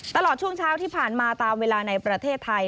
ตลอดช่วงเช้าที่ผ่านมาตามเวลาในประเทศไทย